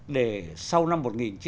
để sau năm một nghìn chín trăm tám mươi sáu